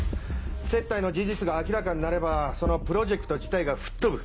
接待の事実が明らかになればそのプロジェクト自体が吹っ飛ぶ。